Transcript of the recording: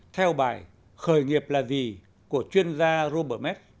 theo bài khởi nghiệp là gì của chuyên gia robert metz